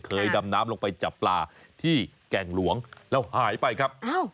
ดำน้ำลงไปจับปลาที่แก่งหลวงแล้วหายไปครับ